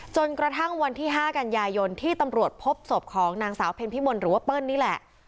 จนกระทั่งวันที่๕กันยายนที่ตำรวจพบศพของนางสาวเพ็ญพิมลหรือว่าเปิ้ลนี่แหละ